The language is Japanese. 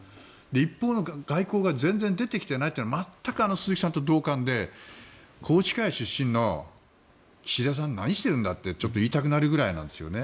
一方の外交が全然出てきていないというのは全く鈴木さんと同感で宏池会出身の岸田さん何してるんだってちょっと言いたくなるぐらいなんです。